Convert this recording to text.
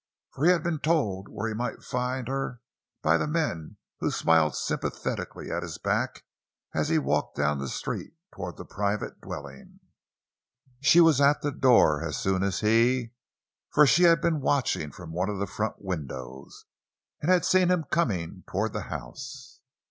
For he had been told where he might find her by men who smiled sympathetically at his back as he walked down the street toward the private dwelling. She was at the door as soon as he, for she had been watching from one of the front windows, and had seen him come toward the house.